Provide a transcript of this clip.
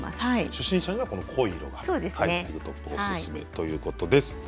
初心者にはこの濃い色がおすすめということです。